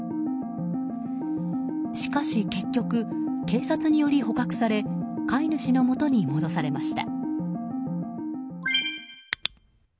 しかし結局、警察により捕獲され飼い主のもとに戻されました。